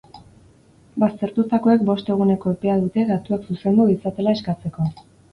Baztertutakoek bost eguneko epea dute datuak zuzendu ditzatela eskatzeko.